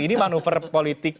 ini manuver politik kah